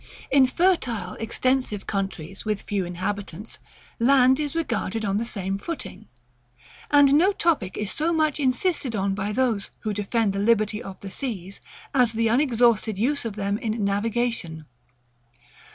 In fertile extensive countries, with few inhabitants, land is regarded on the same footing. And no topic is so much insisted on by those, who defend the liberty of the seas, as the unexhausted use of them in navigation.